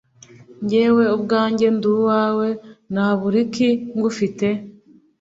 Njyewe ubwanjye nduwawe naburiki ngufite